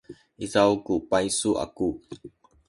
izaw ku paysu aku.